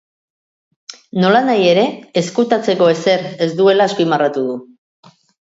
Nolanahi ere, ezkutatzeko ezer ez duela azpimarratu du.